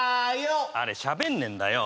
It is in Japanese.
あれしゃべんねえんだよ！